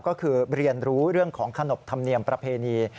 ก็คือเรียนรู้เรื่องของขนบธรรมเนียมประเพณี